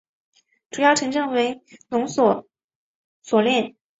主要城镇为隆勒索涅。